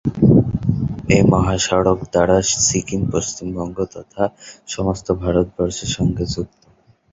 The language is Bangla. এই মহাসড়ক দ্বারা সিকিম পশ্চিমবঙ্গ তথা সমস্ত ভারতবর্ষের সঙ্গে যুক্ত।